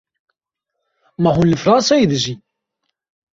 Ma hûn li Fransayê dijîn?